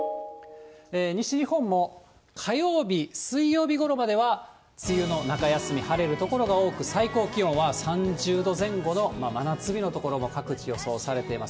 西日本も火曜日、水曜日ごろまでは梅雨の中休み、晴れる所が多く、最高気温は３０度前後の真夏日の所も各地予想されています。